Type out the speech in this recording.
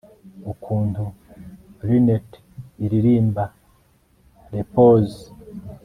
Ukuntu linnet iririmba repose